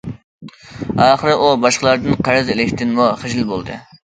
ئاخىرى ئۇ باشقىلاردىن قەرز ئېلىشتىنمۇ خىجىل بولدى.